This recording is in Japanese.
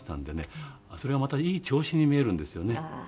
それがまたいい調子に見えるんですよね